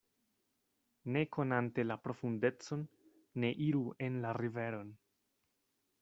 Ne konante la profundecon, ne iru en la riveron.